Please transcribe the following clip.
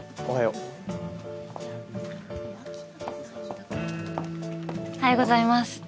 おはようございます。